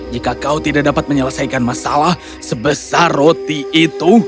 jika kau tidak dapat menyelesaikan masalah sebesar roti itu